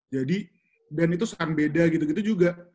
jadi dan itu sambeda gitu gitu juga